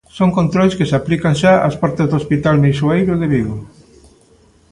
Son controis que se aplican xa ás portas do hospital Meixoeiro de Vigo.